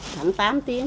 thẳng tám tiếng